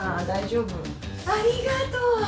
ありがとう！